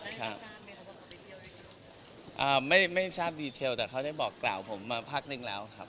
เค้าได้บอกกล่าวแต่เค้าได้บอกกล่าวผมมาพักนึงแล้วครับ